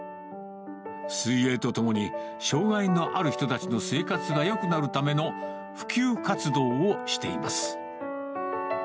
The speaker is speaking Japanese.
水泳とともに、障がいのある人たちの生活がよくなるための普及活動をしています。